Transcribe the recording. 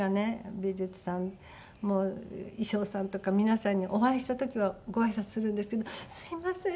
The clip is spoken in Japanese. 美術さん衣装さんとか皆さんにお会いした時はごあいさつするんですけど「すみません」